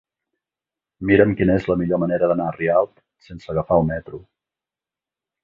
Mira'm quina és la millor manera d'anar a Rialp sense agafar el metro.